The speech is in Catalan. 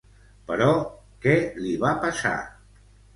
Però què li va passar?